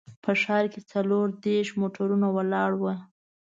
په ښار کې څلور دیرش موټرونه ولاړ وو.